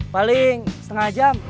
paling setengah jam